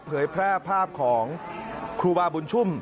เผยแพร่ภาพของครูบาบุญชุ่ม